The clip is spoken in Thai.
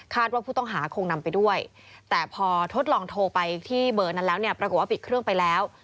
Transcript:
ว่าผู้ต้องหาคงนำไปด้วยแต่พอทดลองโทรไปที่เบอร์นั้นแล้วเนี่ยปรากฏว่าปิดเครื่องไปแล้ว